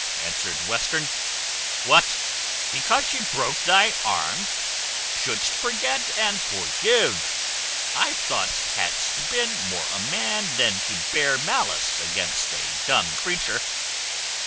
answered Western; "what! because she broke thy arm? Shouldst forget and forgive. I thought hadst been more a man than to bear malice against a dumb creature."